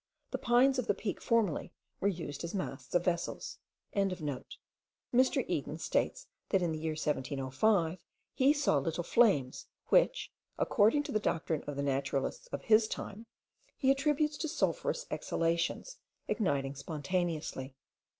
The pines of the peak formerly were used as masts of vessels.) Mr. Eden states that in the year 1705 he saw little flames, which, according to the doctrine of the naturalists of his time, he attributes to sulphurous exhalations igniting spontaneously.